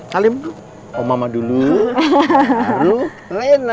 kamu masuk ke dalam istirahat kan lagi masuk angin kayaknya